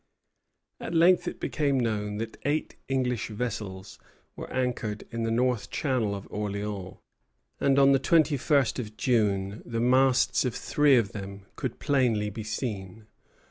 At length it became known that eight English vessels were anchored in the north channel of Orleans, and on the twenty first of June the masts of three of them could plainly be seen.